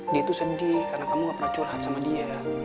dia itu sedih karena kamu gak pernah curhat sama dia